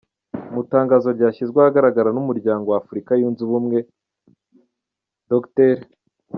Mu itangazo ryashyizwe ahagaragara n’Umuryango wa Afurika Yunze Ubumwe, Dr.